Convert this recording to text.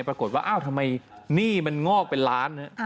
ปรากฏว่าอ้าวทำไมหนี้มันงอกเป็นล้าน